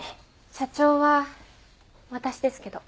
社長は私ですけど。